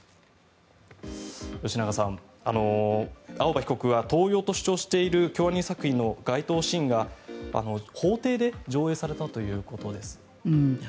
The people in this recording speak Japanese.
吉永さん、青葉被告が盗用と主張している京アニ作品の該当シーンが法廷で上映されたということです。